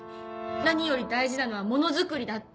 何より大事なのはものづくりだって。